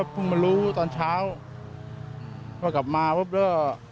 เพิ่งมารู้ตอนเช้าว่ากลับมาปุ๊บก็